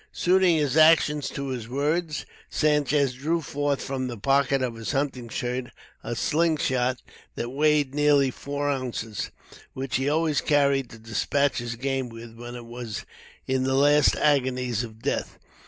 Suiting his actions to his words, Sanchez drew forth from the pocket of his hunting shirt a slung shot that weighed nearly four ounces, which he always carried to dispatch his game with when it was in the last agonies of death.